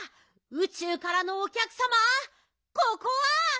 うちゅうからのおきゃくさまここは」。